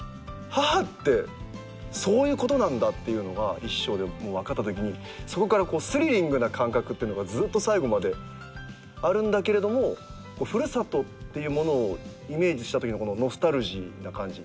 母ってそういうことなんだというのが１章で分かったときにそこからスリリングな感覚がずっと最後まであるんだけど古里っていうものをイメージしたときのこのノスタルジーな感じ